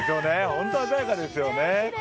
ホント鮮やかですよね。